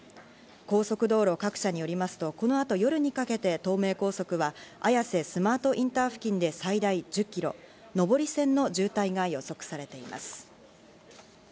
高速道路各社によりますと、このあと夜にかけて東名高速は綾瀬スマートインター付近で最大１０キロ、上り線の渋滞が予測されています。